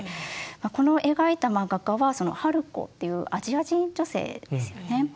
この描いた画家は春子っていうアジア人女性ですよね。